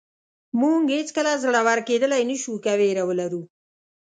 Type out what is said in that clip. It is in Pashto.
موږ هېڅکله زړور کېدلی نه شو که وېره ولرو.